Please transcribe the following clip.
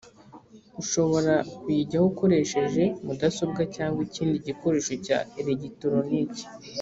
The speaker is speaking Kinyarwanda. ushobora kuyijyaho ukoresheje mudasobwa cyangwa ikindi gikoresho cya eregitoroniki